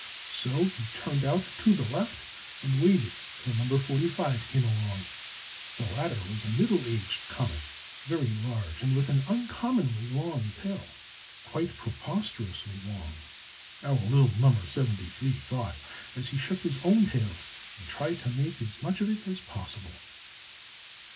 So he turned out to the left, and waited till No. 45 came along. The latter was a middle aged comet, very large, and with an uncommonly long tail, quite preposterously long, our little No. 73 thought, as he shook his own tail and tried to make as much of it as possible.